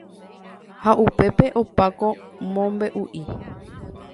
Ha upépe opa ko mombe'u'i